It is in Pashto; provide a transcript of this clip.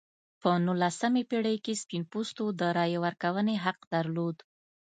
په نولسمې پېړۍ کې سپین پوستو د رایې ورکونې حق درلود.